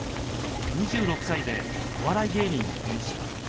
２６歳でお笑い芸人に転身。